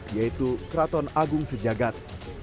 yaitu keraton agung sejagat